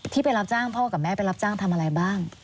ไปรับจ้างพ่อกับแม่ไปรับจ้างทำอะไรบ้าง